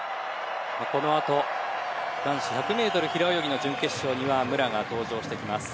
このあと男子１００ｍ平泳ぎの準決勝には武良が登場します。